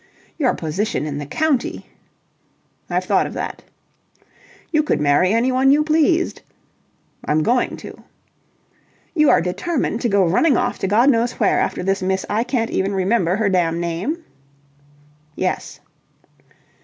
"Your position in the county..." "I've thought of that." "You could marry anyone you pleased." "I'm going to." "You are determined to go running off to God knows where after this Miss I can't even remember her dam name?" "Yes."